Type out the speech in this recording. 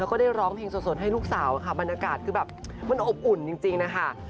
แล้วก็ได้ร้องเพลงสดให้ลูกสาวค่ะบรรยากาศคือแบบมันอบอุ่นจริงนะคะ